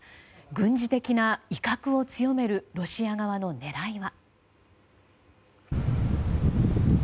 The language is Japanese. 軍事的な威嚇を強めるロシア側の狙いは。